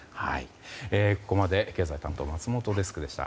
ここまで経済担当松本デスクでした。